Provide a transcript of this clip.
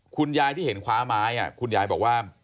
คุณยายที่เห็นคว้าไม้คุณยายบอกว่า